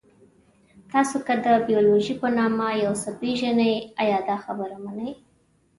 تاسو که د بیولوژي په نامه یو څه پېژنئ، ایا دا خبره منئ؟